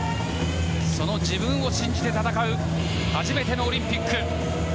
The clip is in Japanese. その自分を信じて戦う初めてのオリンピック。